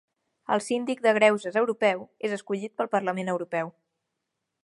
El síndic de greuges europeu és escollit pel Parlament Europeu.